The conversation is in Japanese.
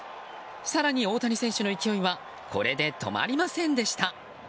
更に、大谷選手の勢いはこれで止まりませんでした。